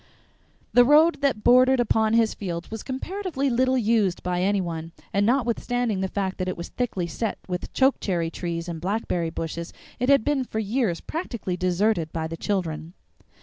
The road that bordered upon his fields was comparatively little used by any one, and notwithstanding the fact that it was thickly set with chokecherry trees and blackberry bushes it had been for years practically deserted by the children.